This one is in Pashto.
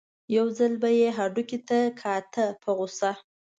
یو ځل به یې هډوکي ته کاته په غوسه.